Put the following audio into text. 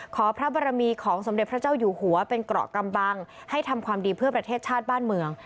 ขอพระบรมีของสมเด็จพระเจ้าอยู่หัวเป็นเกราะกำบังให้ทำความดีเพื่อประเทศชาติบ้านเมือง